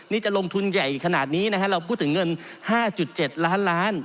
นี่จะลงทุนใหญ่ขนาดนี้นะฮะเราพูดถึงเงิน๕๗ล้านล้าน